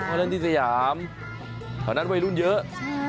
ไปเล่นที่สยามเท่านั้นวัยรุ่นเยอะ